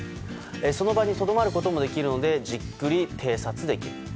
その場にとどまることもできるのでじっくり偵察できる。